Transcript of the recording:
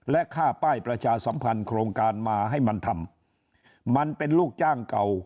และค่าป้ายประชาสัมพันธ์โครงการมาให้มันทำมันเป็นลูกจ้างเก่า